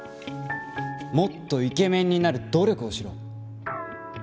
もっとイケメンになる努力をしろ。